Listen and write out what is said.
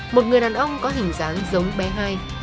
một người đàn ông có hình dáng giống bé hai